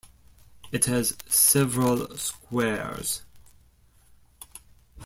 It has several squares.